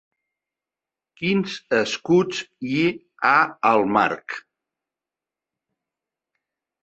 Quins escuts hi ha al marc?